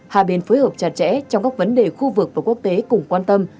hai bên phối hợp chặt chẽ trong các vấn đề khu vực và quốc tế cùng quan tâm